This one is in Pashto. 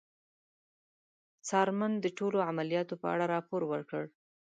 څارمن د ټولو عملیاتو په اړه راپور ورکوي.